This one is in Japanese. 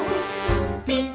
「ピッ」